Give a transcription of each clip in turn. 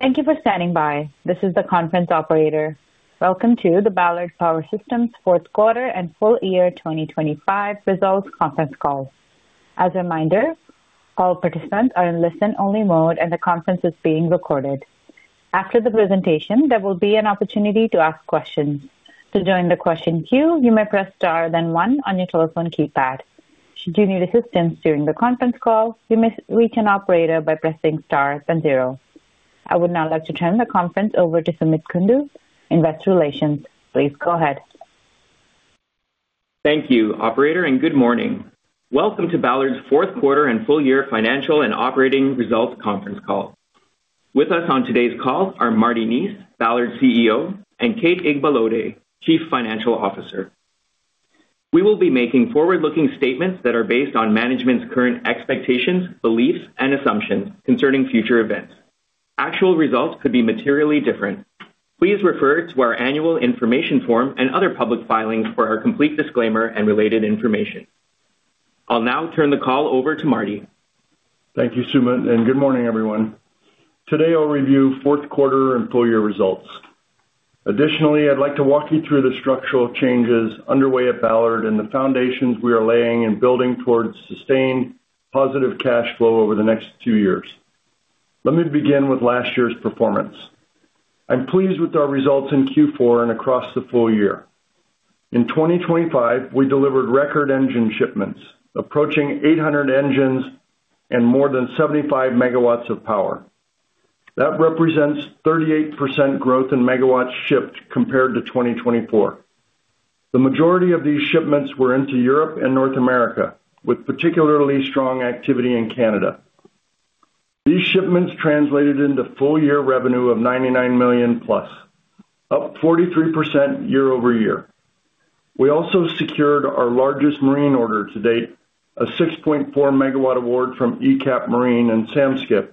Thank you for standing by. This is the conference operator. Welcome to the Ballard Power Systems Fourth Quarter and Full Year 2025 Results Conference Call. As a reminder, all participants are in listen-only mode, and the conference is being recorded. After the presentation, there will be an opportunity to ask questions. To join the question queue, you may press Star then one on your telephone keypad. Should you need assistance during the conference call, you may reach an operator by pressing star then zero. I would now like to turn the conference over to Sumit Kundu, Investor Relations. Please go ahead. Thank you, operator, and good morning. Welcome to Ballard's Fourth Quarter and Full Year Financial and Operating Results Conference Call. With us on today's call are Marty Neese, Ballard's CEO, and Kate Igbalode, Chief Financial Officer. We will be making forward-looking statements that are based on management's current expectations, beliefs, and assumptions concerning future events. Actual results could be materially different. Please refer to our annual information form and other public filings for our complete disclaimer and related information. I'll now turn the call over to Marty. Thank you, Sumit, and good morning, everyone. Today, I'll review fourth quarter and full year results. Additionally, I'd like to walk you through the structural changes underway at Ballard and the foundations we are laying and building towards sustained positive cash flow over the next two years. Let me begin with last year's performance. I'm pleased with our results in Q4 and across the full year. In 2025, we delivered record engine shipments approaching 800 engines and more than 75 megawatts of power. That represents 38% growth in megawatts shipped compared to 2024. The majority of these shipments were into Europe and North America, with particularly strong activity in Canada. These shipments translated into full-year revenue of $99 million+, up 43% year-over-year. We also secured our largest marine order to date, a 6.4-MW award from eCap Marine and Samskip,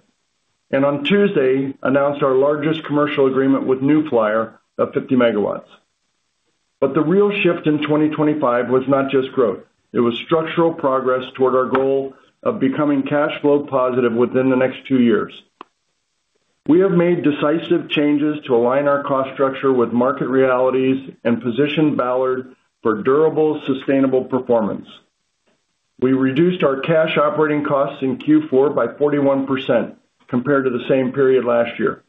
and on Tuesday announced our largest commercial agreement with New Flyer of 50 MW. The real shift in 2025 was not just growth. It was structural progress toward our goal of becoming cash flow positive within the next two years. We have made decisive changes to align our cost structure with market realities and position Ballard for durable, sustainable performance. We reduced our cash operating costs in Q4 by 41% compared to the same period last year,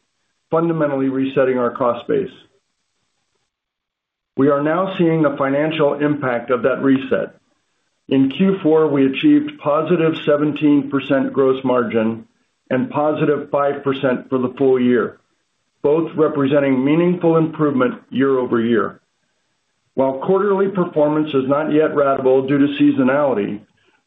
fundamentally resetting our cost base. We are now seeing the financial impact of that reset. In Q4, we achieved +17% gross margin and +5% for the full year, both representing meaningful improvement year-over-year. While quarterly performance is not yet ratable due to seasonality,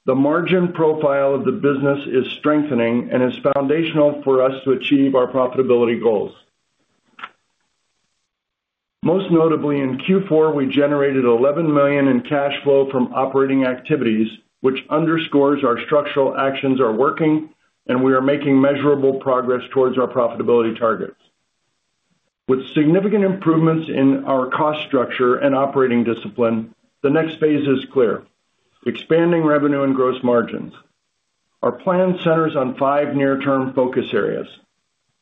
the margin profile of the business is strengthening and is foundational for us to achieve our profitability goals. Most notably in Q4, we generated $11 million in cash flow from operating activities, which underscores our structural actions are working, and we are making measurable progress towards our profitability targets. With significant improvements in our cost structure and operating discipline, the next phase is clear, expanding revenue and gross margins. Our plan centers on five near-term focus areas,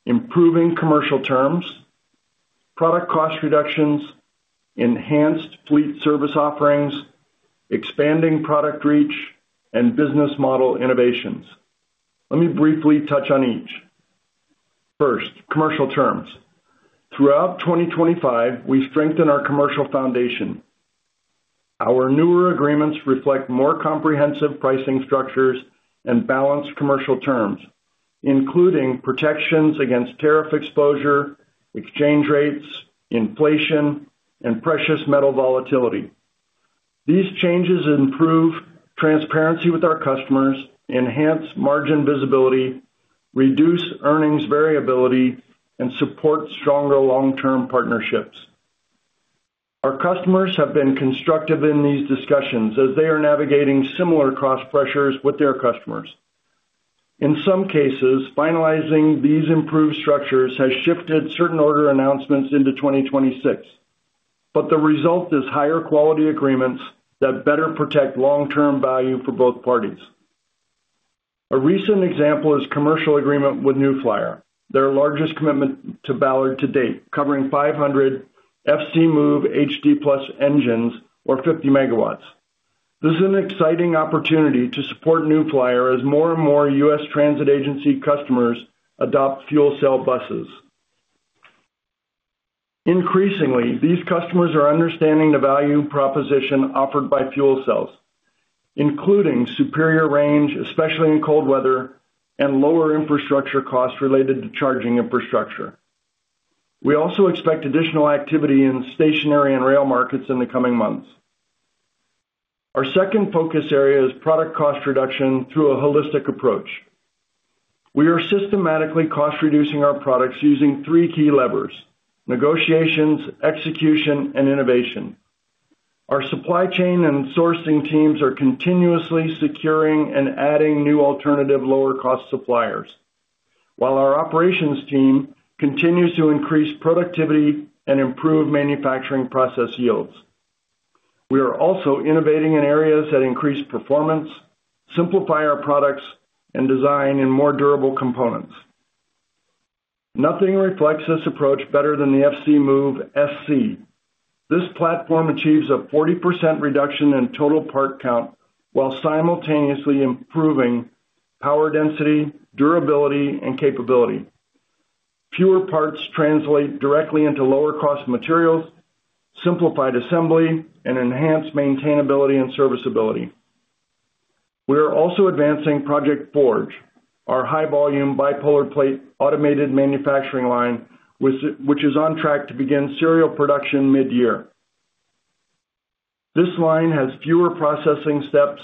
improving commercial terms, product cost reductions, enhanced fleet service offerings, expanding product reach, and business model innovations. Let me briefly touch on each. First, commercial terms. Throughout 2025, we strengthened our commercial foundation. Our newer agreements reflect more comprehensive pricing structures and balanced commercial terms, including protections against tariff exposure, exchange rates, inflation, and precious metal volatility. These changes improve transparency with our customers, enhance margin visibility, reduce earnings variability, and support stronger long-term partnerships. Our customers have been constructive in these discussions as they are navigating similar cost pressures with their customers. In some cases, finalizing these improved structures has shifted certain order announcements into 2026, but the result is higher quality agreements that better protect long-term value for both parties. A recent example is commercial agreement with New Flyer, their largest commitment to Ballard to date, covering 500 FCmove-HD+ engines or 50 MW. This is an exciting opportunity to support New Flyer as more and more US transit agency customers adopt fuel cell buses. Increasingly, these customers are understanding the value proposition offered by fuel cells, including superior range, especially in cold weather, and lower infrastructure costs related to charging infrastructure. We also expect additional activity in stationary and rail markets in the coming months. Our second focus area is product cost reduction through a holistic approach. We are systematically cost reducing our products using three key levers: negotiations, execution, and innovation. Our supply chain and sourcing teams are continuously securing and adding new alternative lower cost suppliers while our operations team continues to increase productivity and improve manufacturing process yields. We are also innovating in areas that increase performance, simplify our products, and design in more durable components. Nothing reflects this approach better than the FCmove-SC. This platform achieves a 40% reduction in total part count while simultaneously improving power density, durability, and capability. Fewer parts translate directly into lower cost materials, simplified assembly, and enhanced maintainability and serviceability. We are also advancing Project Forge, our high volume bipolar plate automated manufacturing line, which is on track to begin serial production mid-year. This line has fewer processing steps,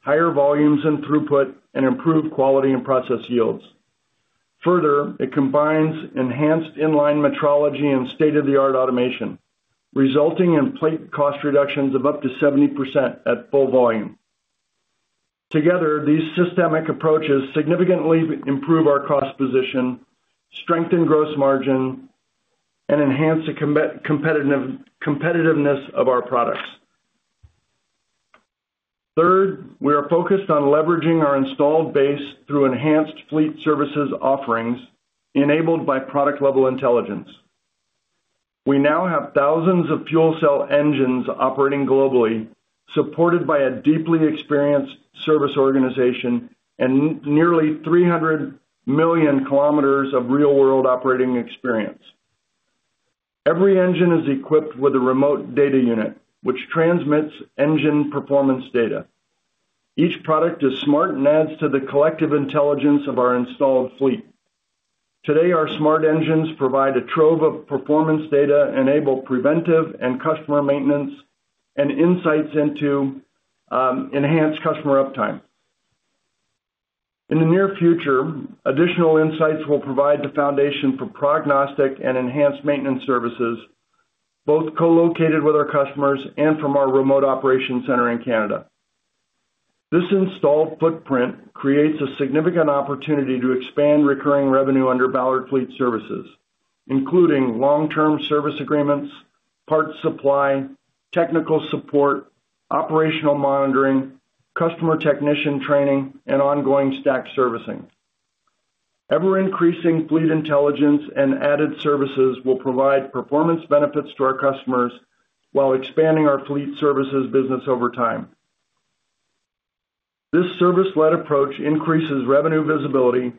higher volumes and throughput, and improved quality and process yields. Further, it combines enhanced in-line metrology and state-of-the-art automation, resulting in plate cost reductions of up to 70% at full volume. Together, these systemic approaches significantly improve our cost position, strengthen gross margin, and enhance the competitiveness of our products. Third, we are focused on leveraging our installed base through enhanced fleet services offerings enabled by product level intelligence. We now have thousands of fuel cell engines operating globally, supported by a deeply experienced service organization and nearly 300 million kilometers of real-world operating experience. Every engine is equipped with a remote data unit, which transmits engine performance data. Each product is smart and adds to the collective intelligence of our installed fleet. Today, our smart engines provide a trove of performance data, enable preventive and customer maintenance, and insights into enhanced customer uptime. In the near future, additional insights will provide the foundation for prognostic and enhanced maintenance services, both co-located with our customers and from our remote operation center in Canada. This installed footprint creates a significant opportunity to expand recurring revenue under Ballard Fleet Services, including long-term service agreements, parts supply, technical support, operational monitoring, customer technician training, and ongoing stack servicing. Ever-increasing fleet intelligence and added services will provide performance benefits to our customers while expanding our fleet services business over time. This service-led approach increases revenue visibility,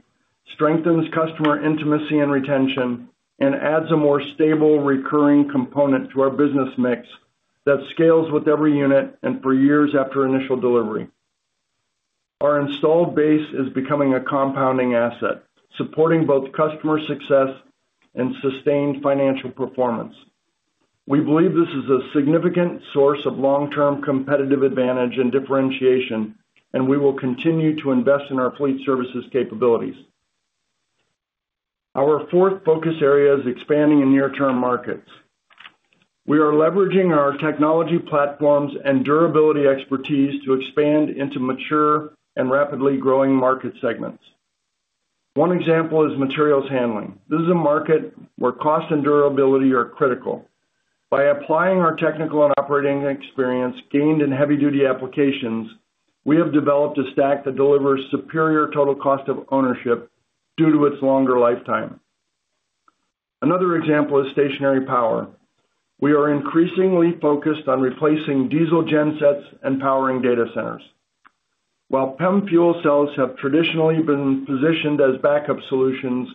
strengthens customer intimacy and retention, and adds a more stable recurring component to our business mix that scales with every unit and for years after initial delivery. Our installed base is becoming a compounding asset, supporting both customer success and sustained financial performance. We believe this is a significant source of long-term competitive advantage and differentiation, and we will continue to invest in our fleet services capabilities. Our fourth focus area is expanding in near-term markets. We are leveraging our technology platforms and durability expertise to expand into mature and rapidly growing market segments. One example is materials handling. This is a market where cost and durability are critical. By applying our technical and operating experience gained in heavy-duty applications, we have developed a stack that delivers superior total cost of ownership due to its longer lifetime. Another example is stationary power. We are increasingly focused on replacing diesel gen sets and powering data centers. While PEM fuel cells have traditionally been positioned as backup solutions,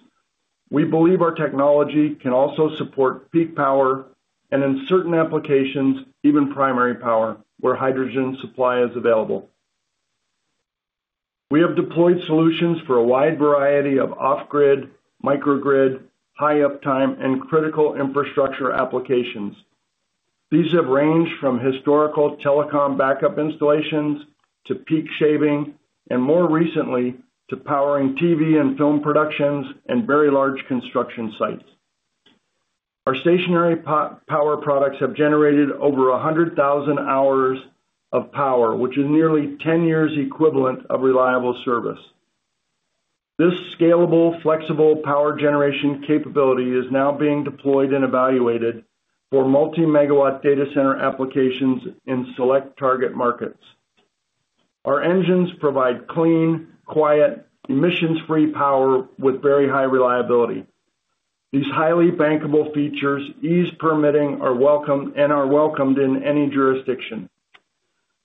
we believe our technology can also support peak power and in certain applications, even primary power, where hydrogen supply is available. We have deployed solutions for a wide variety of off-grid, microgrid, high uptime, and critical infrastructure applications. These have ranged from historical telecom backup installations to peak shaving and more recently, to powering TV and film productions and very large construction sites. Our stationary power products have generated over 100,000 hours of power, which is nearly 10 years equivalent of reliable service. This scalable, flexible power generation capability is now being deployed and evaluated for multi-megawatt data center applications in select target markets. Our engines provide clean, quiet, emissions-free power with very high reliability. These highly bankable features ease permitting are welcome, and are welcomed in any jurisdiction.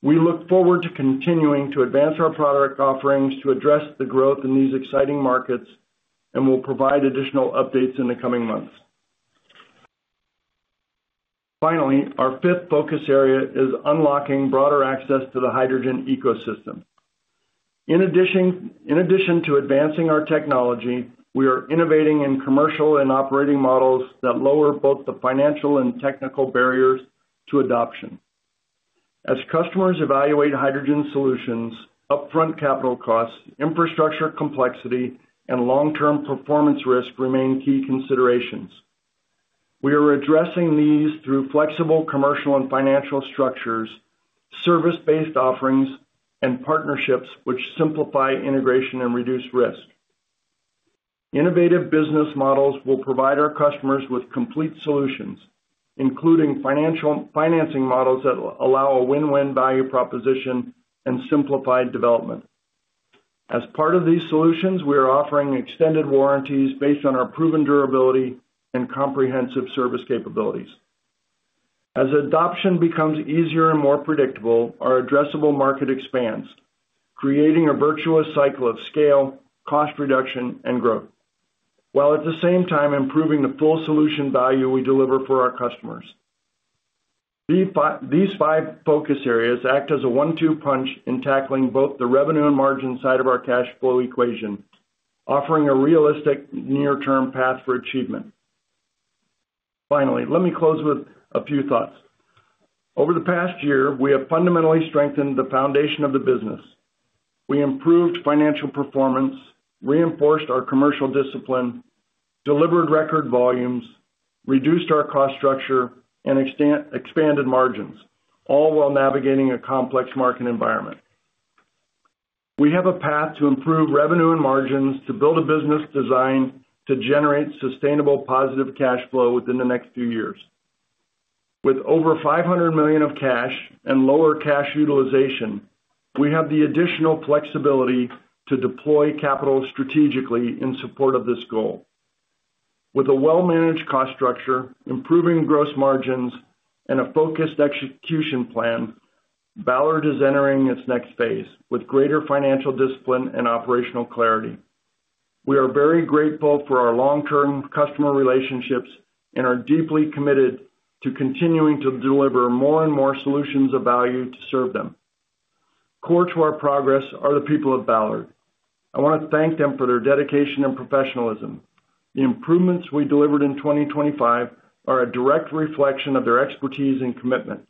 We look forward to continuing to advance our product offerings to address the growth in these exciting markets, and we'll provide additional updates in the coming months. Finally, our fifth focus area is unlocking broader access to the hydrogen ecosystem. In addition to advancing our technology, we are innovating in commercial and operating models that lower both the financial and technical barriers to adoption. As customers evaluate hydrogen solutions, upfront capital costs, infrastructure complexity, and long-term performance risk remain key considerations. We are addressing these through flexible commercial and financial structures, service-based offerings, and partnerships which simplify integration and reduce risk. Innovative business models will provide our customers with complete solutions, including financial, financing models that allow a win-win value proposition and simplified development. As part of these solutions, we are offering extended warranties based on our proven durability and comprehensive service capabilities. As adoption becomes easier and more predictable, our addressable market expands, creating a virtuous cycle of scale, cost reduction, and growth, while at the same time improving the full solution value we deliver for our customers. These five focus areas act as a one-two punch in tackling both the revenue and margin side of our cash flow equation, offering a realistic near-term path for achievement. Finally, let me close with a few thoughts. Over the past year, we have fundamentally strengthened the foundation of the business. We improved financial performance, reinforced our commercial discipline, delivered record volumes, reduced our cost structure, and expanded margins, all while navigating a complex market environment. We have a path to improve revenue and margins to build a business designed to generate sustainable positive cash flow within the next few years. With over $500 million of cash and lower cash utilization, we have the additional flexibility to deploy capital strategically in support of this goal. With a well-managed cost structure, improving gross margins, and a focused execution plan, Ballard is entering its next phase with greater financial discipline and operational clarity. We are very grateful for our long-term customer relationships and are deeply committed to continuing to deliver more and more solutions of value to serve them. Core to our progress are the people of Ballard. I wanna thank them for their dedication and professionalism. The improvements we delivered in 2025 are a direct reflection of their expertise and commitment.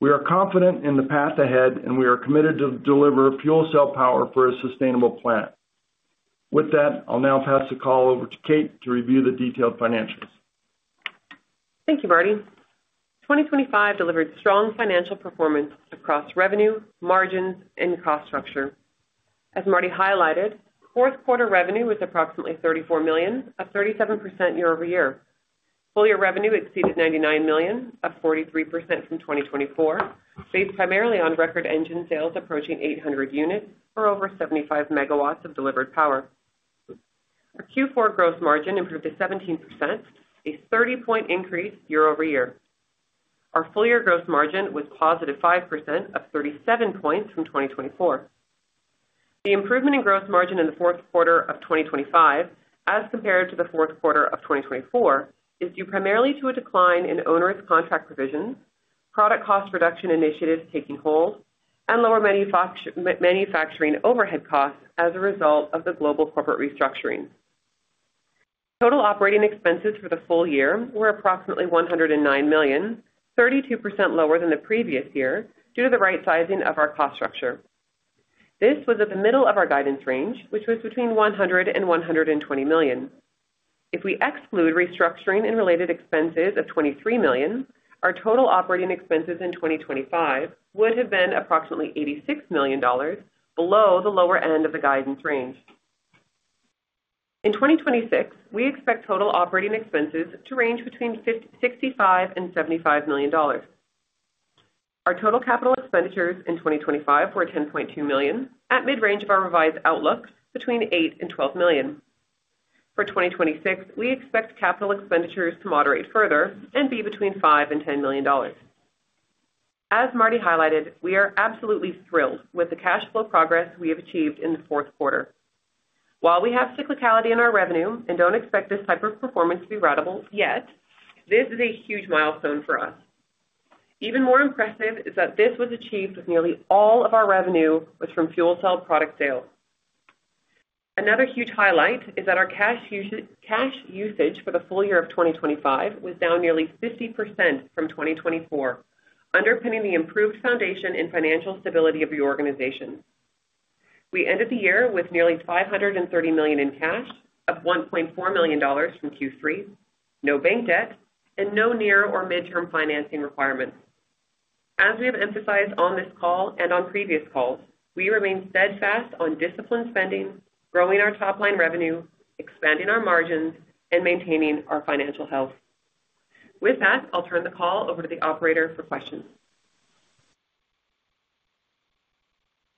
We are confident in the path ahead, and we are committed to deliver fuel cell power for a sustainable planet. With that, I'll now pass the call over to Kate to review the detailed financials. Thank you, Marty. 2025 delivered strong financial performance across revenue, margins, and cost structure. As Marty highlighted, fourth quarter revenue was approximately $34 million, up 37% year-over-year. Full-year revenue exceeded $99 million, up 43% from 2024, based primarily on record engine sales approaching 800 units or over 75 megawatts of delivered power. Our Q4 gross margin improved to 17%, a 30-point increase year-over-year. Our full-year gross margin was positive 5%, up 37 points from 2024. The improvement in gross margin in the fourth quarter of 2025 as compared to the fourth quarter of 2024 is due primarily to a decline in onerous contract provisions, product cost reduction initiatives taking hold, and lower manufacturing overhead costs as a result of the global corporate restructuring. Total operating expenses for the full year were approximately $109 million, 32% lower than the previous year, due to the right sizing of our cost structure. This was at the middle of our guidance range, which was between $100 million and $120 million. If we exclude restructuring and related expenses of $23 million, our total operating expenses in 2025 would have been approximately $86 million below the lower end of the guidance range. In 2026, we expect total operating expenses to range between $65 million and $75 million. Our total capital expenditures in 2025 were $10.2 million at mid-range of our revised outlook between 10 and 12 million. For 2026, we expect capital expenditures to moderate further and be between $5 million and $10 million. As Marty highlighted, we are absolutely thrilled with the cash flow progress we have achieved in the fourth quarter. While we have cyclicality in our revenue and don't expect this type of performance to be ratable yet, this is a huge milestone for us. Even more impressive is that this was achieved with nearly all of our revenue was from fuel cell product sales. Another huge highlight is that our cash usage for the full year of 2025 was down nearly 50% from 2024, underpinning the improved foundation and financial stability of the organization. We ended the year with nearly $530 million in cash, up $1.4 million from Q3, no bank debt and no near or mid-term financing requirements. As we have emphasized on this call and on previous calls, we remain steadfast on disciplined spending, growing our top line revenue, expanding our margins, and maintaining our financial health. With that, I'll turn the call over to the operator for questions.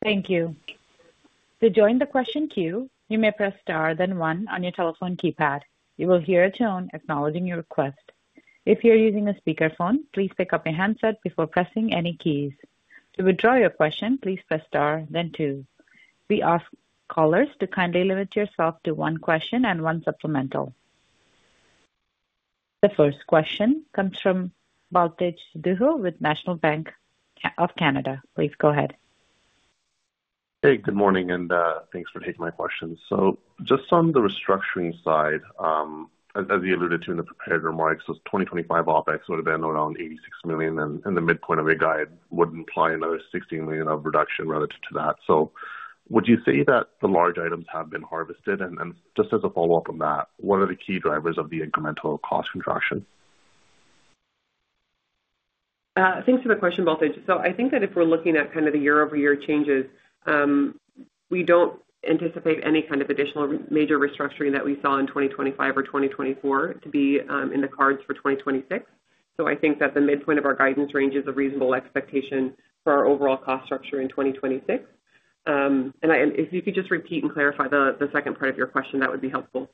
Thank you. To join the question queue, you may press star, then one on your telephone keypad. You will hear a tone acknowledging your request. If you're using a speakerphone, please pick up your handset before pressing any keys. To withdraw your question, please press star then two. We ask callers to kindly limit yourself to one question and one supplemental. The first question comes from Baltej Sidhu with National Bank of Canada. Please go ahead. Hey, good morning, and thanks for taking my questions. Just on the restructuring side, as you alluded to in the prepared remarks, those 2025 OpEx would have been around $86 million, and the midpoint of your guide would imply another $16 million of reduction relative to that. Would you say that the large items have been harvested? Just as a follow-up on that, what are the key drivers of the incremental cost contraction? Thanks for the question, Baltej. I think that if we're looking at kind of the year-over-year changes, we don't anticipate any kind of additional major restructuring that we saw in 2025 or 2024 to be in the cards for 2026. I think that the midpoint of our guidance range is a reasonable expectation for our overall cost structure in 2026. If you could just repeat and clarify the second part of your question, that would be helpful.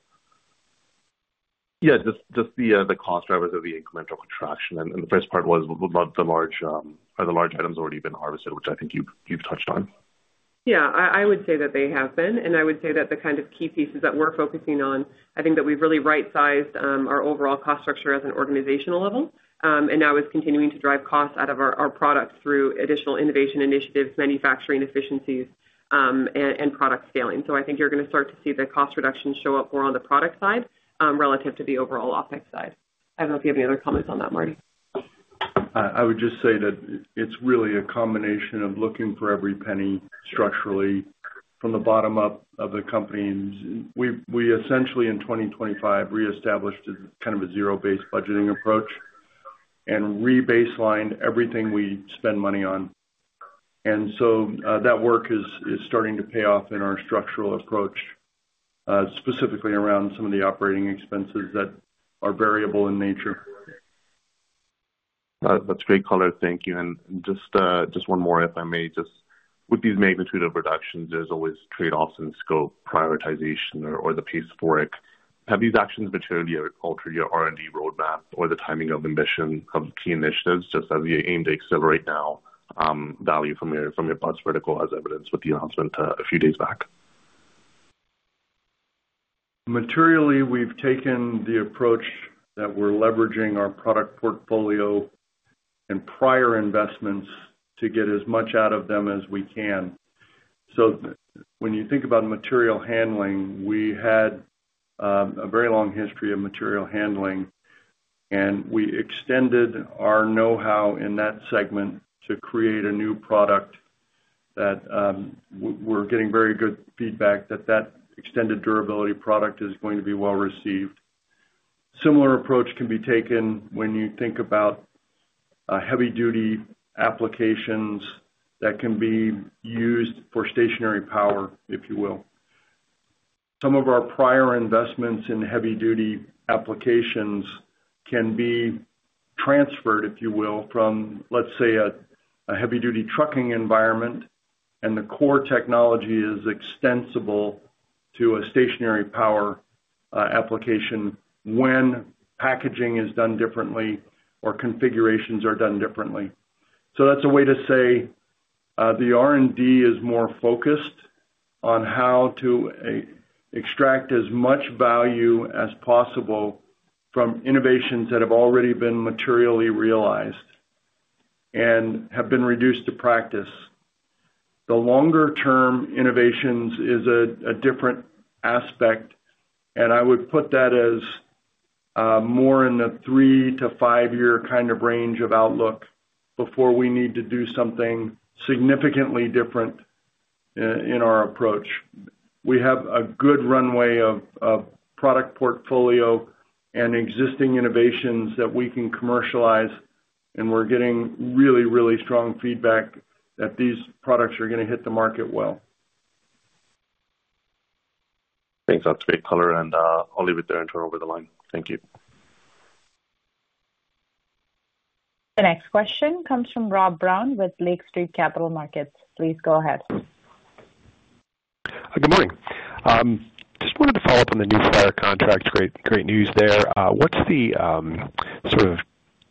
Yeah. Just the cost drivers of the incremental contraction. The first part was whether the large items have already been harvested, which I think you've touched on. Yeah. I would say that they have been, and I would say that the kind of key pieces that we're focusing on, I think that we've really right-sized our overall cost structure as an organizational level, and now it's continuing to drive costs out of our products through additional innovation initiatives, manufacturing efficiencies, and product scaling. I think you're gonna start to see the cost reduction show up more on the product side, relative to the overall OpEx side. I don't know if you have any other comments on that, Marty. I would just say that it's really a combination of looking for every penny structurally from the bottom up of the company. We essentially in 2025 reestablished kind of a zero-based budgeting approach and re-baselined everything we spend money on. That work is starting to pay off in our structural approach, specifically around some of the operating expenses that are variable in nature. That's great color. Thank you. Just one more, if I may. Just with these magnitude of reductions, there's always trade-offs in scope, prioritization or the pace for it. Have these actions materially altered your R&D roadmap or the timing of ambition of key initiatives, just as you aim to accelerate now value from your parts vertical as evidenced with the announcement a few days back? Materially, we've taken the approach that we're leveraging our product portfolio and prior investments to get as much out of them as we can. When you think about material handling, we had a very long history of material handling, and we extended our know-how in that segment to create a new product that we're getting very good feedback that that extended durability product is going to be well received. Similar approach can be taken when you think about heavy duty applications that can be used for stationary power, if you will. Some of our prior investments in heavy duty applications can be transferred, if you will, from, let's say, a heavy duty trucking environment, and the core technology is extensible to a stationary power application when packaging is done differently or configurations are done differently. That's a way to say the R&D is more focused on how to extract as much value as possible from innovations that have already been materially realized and have been reduced to practice. The longer term innovations is a different aspect, and I would put that as more in the three-five-year kind of range of outlook before we need to do something significantly different in our approach. We have a good runway of product portfolio and existing innovations that we can commercialize, and we're getting really, really strong feedback that these products are gonna hit the market well. Thanks. That's great color, and I'll leave it there and turn it over the line. Thank you. The next question comes from Rob Brown with Lake Street Capital Markets. Please go ahead. Good morning. Just wanted to follow up on the New Flyer contract. Great news there. What's the sort of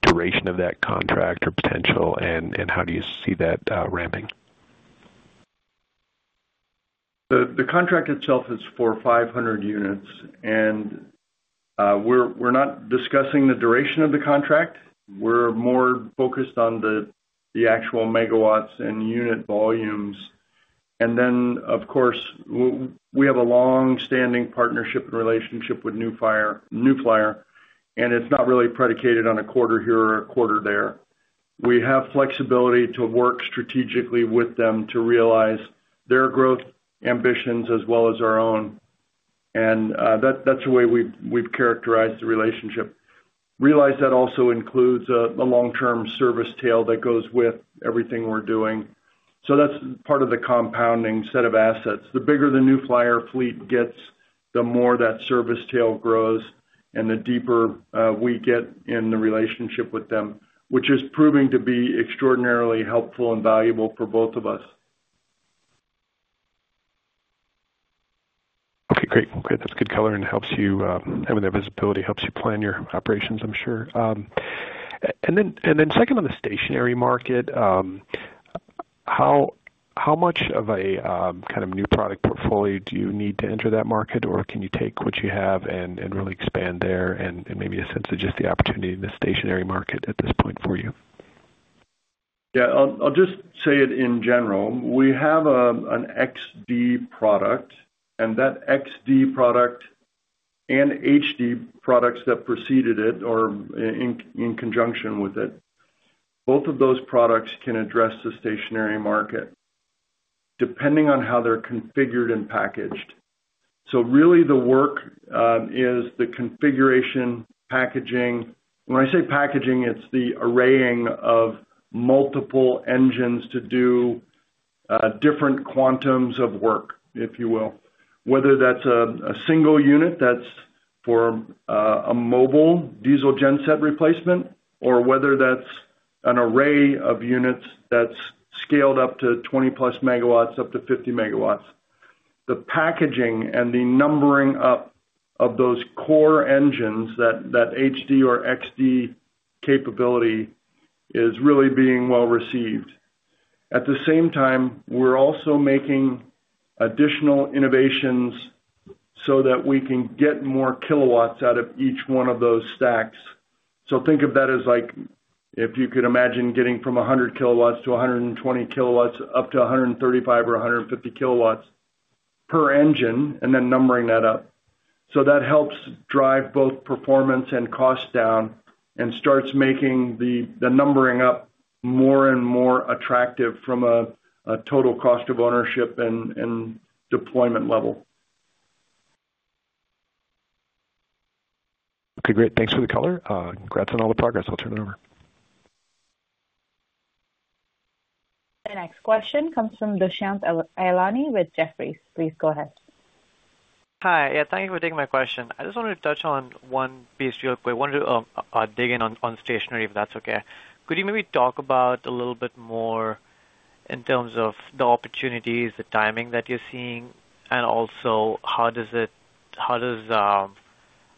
duration of that contract or potential and how do you see that ramping? The contract itself is for 500 units, and we're not discussing the duration of the contract. We're more focused on the actual megawatts and unit volumes. Of course, we have a long-standing partnership and relationship with New Flyer, and it's not really predicated on a quarter here or a quarter there. We have flexibility to work strategically with them to realize their growth ambitions as well as our own. That's the way we've characterized the relationship. Realize that also includes a long-term service tail that goes with everything we're doing. That's part of the compounding set of assets. The bigger the New Flyer fleet gets, the more that service tail grows and the deeper we get in the relationship with them, which is proving to be extraordinarily helpful and valuable for both of us. Okay, great. Okay. That's good color and helps you, having that visibility helps you plan your operations, I'm sure. Second on the stationary market, how much of a kind of new product portfolio do you need to enter that market? Or can you take what you have and really expand there and maybe a sense of just the opportunity in the stationary market at this point for you? Yeah. I'll just say it in general. We have an FCmove-XD product and that FCmove-XD product and FCveloCity-HD products that preceded it or in conjunction with it, both of those products can address the stationary market. Depending on how they're configured and packaged. Really the work is the configuration packaging. When I say packaging, it's the arraying of multiple engines to do different quantums of work, if you will. Whether that's a single unit that's for a mobile diesel genset replacement or whether that's an array of units that's scaled up to 20+ MW, up to 50 MW. The packaging and the numbering up of those core engines that FCveloCity-HD or FCmove-XD capability is really being well received. At the same time, we're also making additional innovations so that we can get more kilowatts out of each one of those stacks. Think of that as like, if you could imagine getting from 100 kilowatts to 120 kilowatts, up to 135 or 150 kilowatts per engine, and then numbering that up. That helps drive both performance and cost down and starts making the numbering up more and more attractive from a total cost of ownership and deployment level. Okay, great. Thanks for the color. Congrats on all the progress. I'll turn it over. The next question comes from Dushyant Ailani with Jefferies. Please go ahead. Hi. Yeah, thank you for taking my question. I just wanted to touch on one piece real quick. Wanted to dig in on stationary, if that's okay. Could you maybe talk about a little bit more in terms of the opportunities, the timing that you're seeing, and also how does it, you know,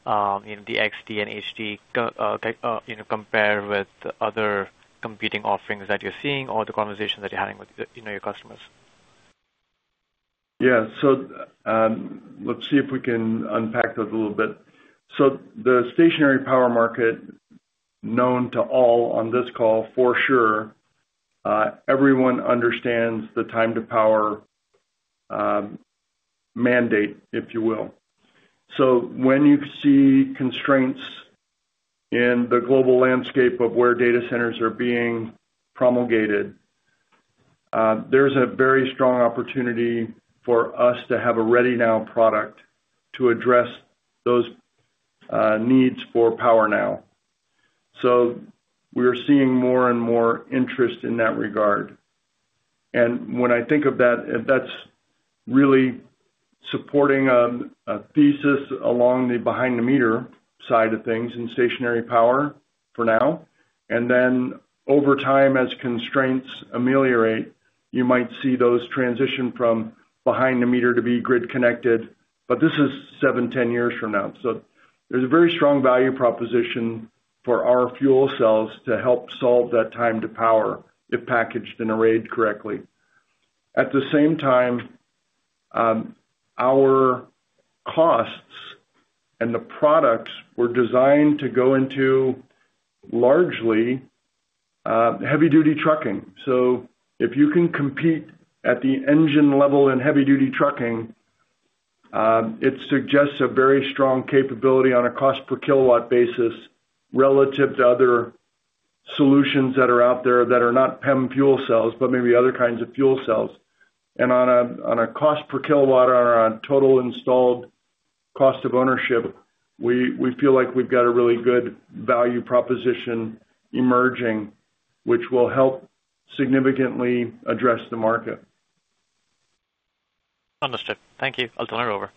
the FCmove-XD and FCveloCity-HD compare with other competing offerings that you're seeing or the conversations that you're having with, you know, your customers? Yeah. Let's see if we can unpack those a little bit. The stationary power market known to all on this call for sure, everyone understands the time to power, mandate, if you will. When you see constraints in the global landscape of where data centers are being promulgated, there's a very strong opportunity for us to have a ready now product to address those, needs for power now. We're seeing more and more interest in that regard. When I think of that's really supporting a thesis along the behind the meter side of things in stationary power for now. Then over time, as constraints ameliorate, you might see those transition from behind the meter to be grid connected, but this is seven-10 years from now. There's a very strong value proposition for our fuel cells to help solve that time to power if packaged and arrayed correctly. At the same time, our costs and the products were designed to go into largely heavy-duty trucking. If you can compete at the engine level in heavy-duty trucking, it suggests a very strong capability on a cost per kilowatt basis relative to other solutions that are out there that are not PEM fuel cells, but maybe other kinds of fuel cells. On a cost per kilowatt or on total installed cost of ownership, we feel like we've got a really good value proposition emerging, which will help significantly address the market. Understood. Thank you. I'll turn it over.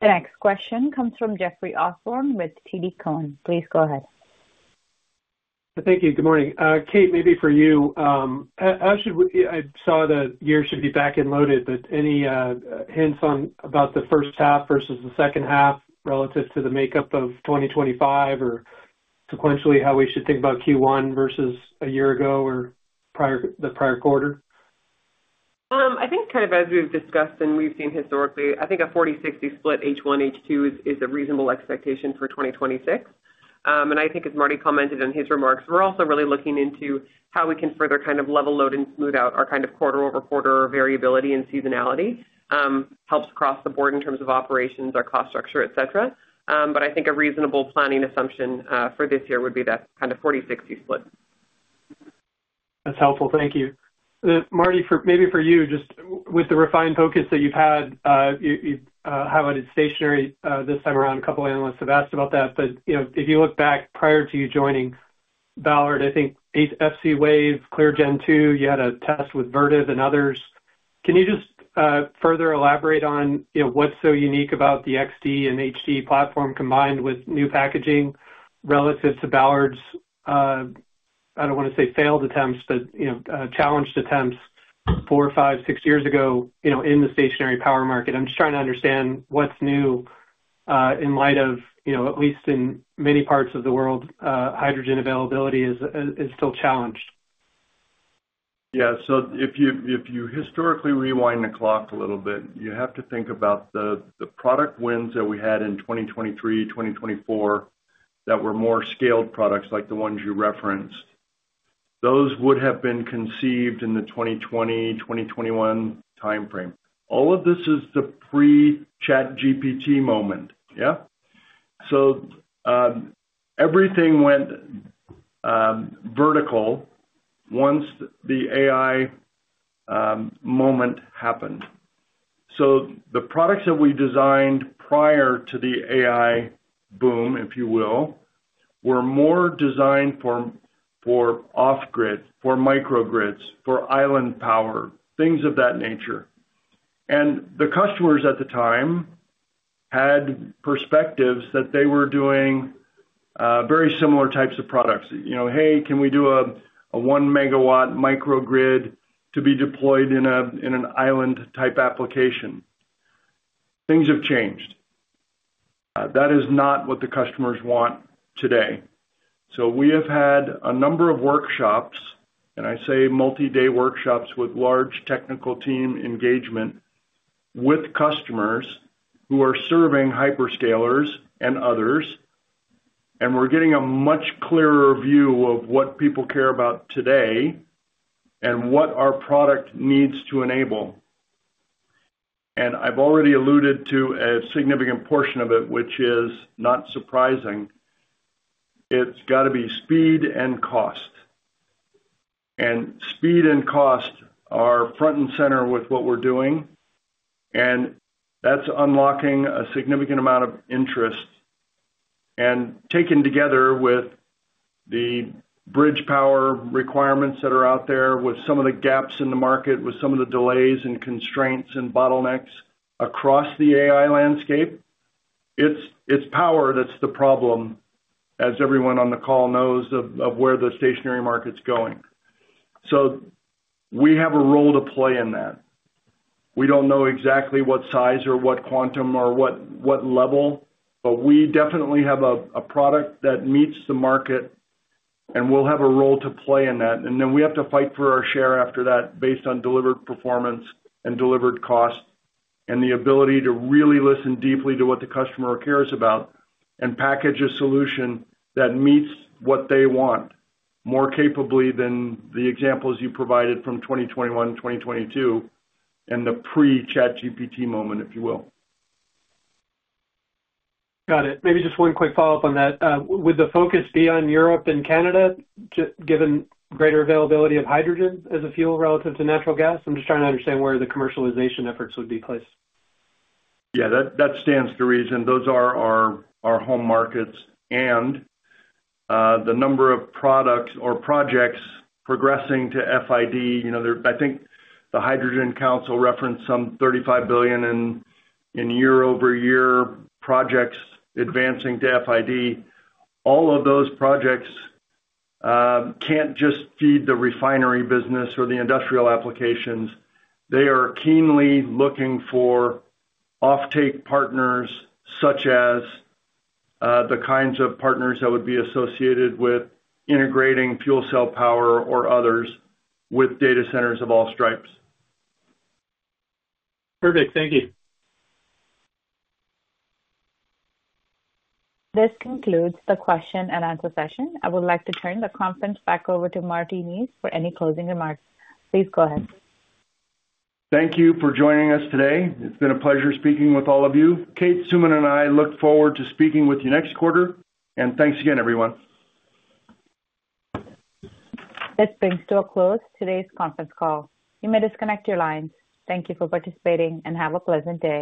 The next question comes from Jeffrey Osborne with TD Cowen. Please go ahead. Thank you. Good morning. Kate, maybe for you. I saw the year should be back-end loaded, but any hints about the first half versus the second half relative to the makeup of 2025 or sequentially, how we should think about Q1 versus a year ago or the prior quarter? I think kind of as we've discussed and we've seen historically, I think a 40-60 split H1, H2 is a reasonable expectation for 2026. I think as Marty Neese commented in his remarks, we're also really looking into how we can further kind of level load and smooth out our kind of quarter-over-quarter variability and seasonality, helps across the board in terms of operations, our cost structure, et cetera. I think a reasonable planning assumption for this year would be that kind of 40-60 split. That's helpful. Thank you. Marty, maybe for you, just with the refined focus that you've had, you've highlighted stationary this time around, a couple of analysts have asked about that. You know, if you look back prior to you joining Ballard, I think e.g. FCwave, ClearGen-II, you had a test with Vertiv and others. Can you just further elaborate on, you know, what's so unique about the FCmove-XD and FCmove-HD platform combined with new packaging relative to Ballard's, I don't wanna say failed attempts, but, you know, challenged attempts four, five, six years ago, you know, in the stationary power market? I'm just trying to understand what's new in light of, you know, at least in many parts of the world, hydrogen availability is still challenged. If you historically rewind the clock a little bit, you have to think about the product wins that we had in 2023, 2024 that were more scaled products like the ones you referenced. Those would have been conceived in the 2020, 2021 timeframe. All of this is the pre-ChatGPT moment. Yeah? Everything went vertical once the AI moment happened. The products that we designed prior to the AI boom, if you will, were more designed for off-grid, for microgrids, for island power, things of that nature. The customers at the time had perspectives that they were doing very similar types of products. You know, "Hey, can we do a 1 megawatt microgrid to be deployed in an island type application?" Things have changed. That is not what the customers want today. We have had a number of workshops, and I say multi-day workshops with large technical team engagement with customers who are serving hyperscalers and others, and we're getting a much clearer view of what people care about today and what our product needs to enable. I've already alluded to a significant portion of it, which is not surprising. It's gotta be speed and cost. Speed and cost are front and center with what we're doing, and that's unlocking a significant amount of interest. Taken together with the bridge power requirements that are out there with some of the gaps in the market, with some of the delays and constraints and bottlenecks across the AI landscape, it's power that's the problem, as everyone on the call knows, of where the stationary market's going. We have a role to play in that. We don't know exactly what size or what quantum or what level, but we definitely have a product that meets the market, and we'll have a role to play in that. We have to fight for our share after that based on delivered performance and delivered cost, and the ability to really listen deeply to what the customer cares about and package a solution that meets what they want more capably than the examples you provided from 2021, 2022, and the pre-ChatGPT moment, if you will. Got it. Maybe just one quick follow-up on that. Would the focus be on Europe and Canada given greater availability of hydrogen as a fuel relative to natural gas? I'm just trying to understand where the commercialization efforts would be placed. Yeah, that stands to reason. Those are our home markets and the number of products or projects progressing to FID. You know, they're I think the Hydrogen Council referenced some $35 billion year-over-year projects advancing to FID. All of those projects can't just feed the refinery business or the industrial applications. They are keenly looking for offtake partners such as the kinds of partners that would be associated with integrating fuel cell power or others with data centers of all stripes. Perfect. Thank you. This concludes the question and answer session. I would like to turn the conference back over to Marty Neese for any closing remarks. Please go ahead. Thank you for joining us today. It's been a pleasure speaking with all of you. Kate, Sumit, and I look forward to speaking with you next quarter, and thanks again, everyone. This concludes today's conference call. You may disconnect your lines. Thank you for participating, and have a pleasant day.